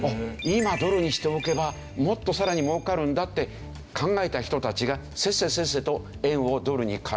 今ドルにしておけばもっとさらに儲かるんだって考えた人たちがせっせせっせと円をドルに替えている。